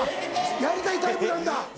やりたいタイプなんだ。